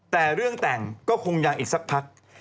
แต่เรื่องแต่งก็คงยังอีกสักพัก